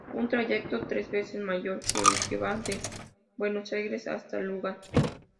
Un trayecto tres veces mayor que el que va de Buenos Aires hasta Luján.